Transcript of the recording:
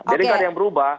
jadi gak ada yang berubah